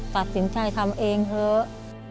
ตัดสินใจทำเองเถอะ